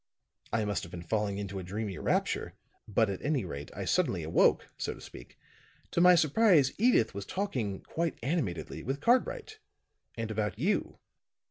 I must have been falling into a dreamy rapture; but at any rate I suddenly awoke, so to speak. To my surprise Edyth was talking quite animatedly with Cartwright, and about you."